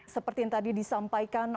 seperti yang tadi disampaikan